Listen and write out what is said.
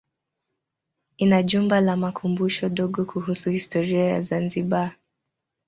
Ina jumba la makumbusho dogo kuhusu historia ya Zanzibar.